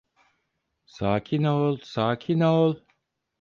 Sakin ol, sakin ol.